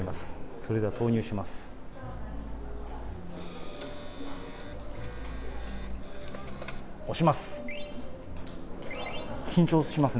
それでは投入します。